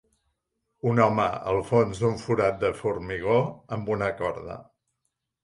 un home al fons d'un forat de formigó amb una corda.